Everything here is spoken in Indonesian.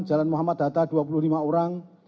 jalan muhammad hatta dua puluh lima orang